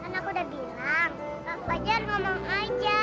lepasin pak randy